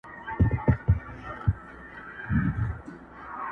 ستا له تنګ نظره جُرم دی ذاهده،